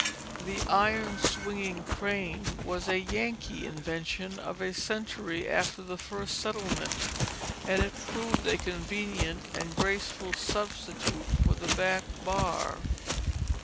The iron swinging crane was a Yankee invention of a century after the first settlement, and it proved a convenient and graceful substitute for the back bar.